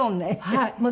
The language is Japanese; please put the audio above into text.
はい。